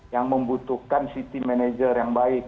yang membutuhkan city manager yang baik